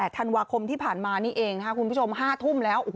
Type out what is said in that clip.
ธันวาคมที่ผ่านมานี่เองคุณผู้ชม๕ทุ่มแล้ว